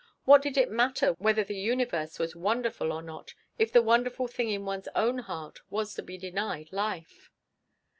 What did it matter whether the universe was wonderful or not if the wonderful thing in one's own heart was to be denied life?